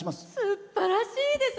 すばらしいです。